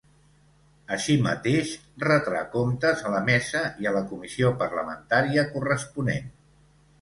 Així mateix, retrà comptes a la mesa i a la comissió parlamentària corresponent.